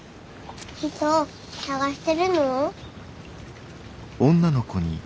人を探してるの？